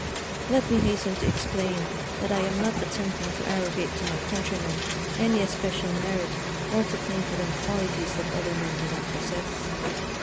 Let mehasten to explain that I am not attempting to arrogate to my countrymen any especial merit, or to claim for them qualities that other men do not possess.